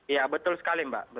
ya betul sekali mbak